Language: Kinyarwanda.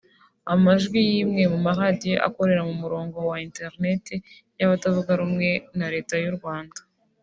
amajwi y’imwe mu maradiyo ikorera ku murongo wa internet y’abatavuga rumwe na Leta y’u Rwanda